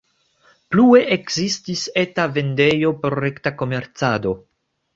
Plue ekzistis eta vendejo por rekta komercado.